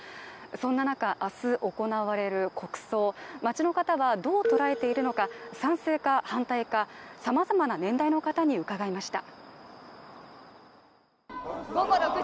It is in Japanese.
そんな中明日行われる国葬、街の方はどう捉えているのか、賛成か反対か、様々な年代の方に伺いました。